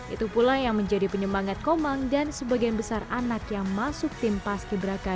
itu pula yang menjadi penyemangat komang dan sebagian besar anak yang masuk tim paski beraka dua ribu tujuh belas